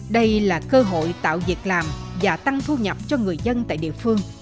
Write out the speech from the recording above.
đây là cơ hội tạo việc làm và tăng thu nhập cho người dân tại địa phương